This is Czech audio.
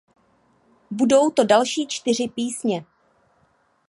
Budou to další čtyři písně.